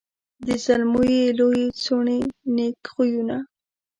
د زلمو یې لويي څوڼي نېک خویونه